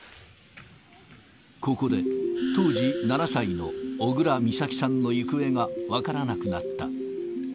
ここで、当時７歳の小倉美咲さんの行方が分からなくなった。